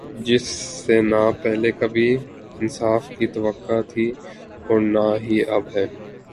جس سے نا پہلے کبھی انصاف کی توقع تھی اور نا ہی اب ہے